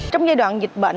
trong giai đoạn dịch bệnh